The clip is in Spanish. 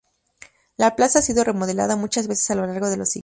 La plaza ha sido remodelada muchas veces a lo largo de los siglos.